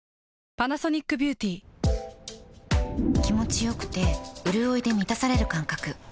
気持ちよくてうるおいで満たされる感覚